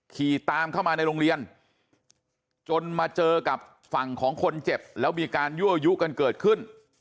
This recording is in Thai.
ขี่ตามเข้ามาในโรงเรียนจนมาเจอกับฝั่งของคนเจ็บแล้วมีการยั่วยุกันเกิดขึ้น